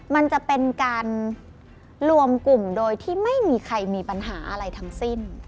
มันจะเป็นการรวมกลุ่มโดยที่ไม่มีใครมีปัญหาอะไรทั้งสิ้น